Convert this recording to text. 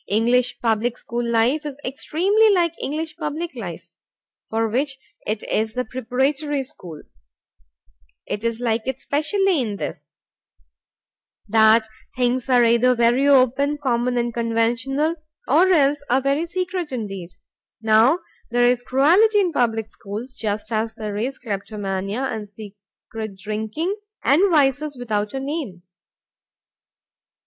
English public school life is extremely like English public life, for which it is the preparatory school. It is like it specially in this, that things are either very open, common and conventional, or else are very secret indeed. Now there is cruelty in public schools, just as there is kleptomania and secret drinking and vices without a name.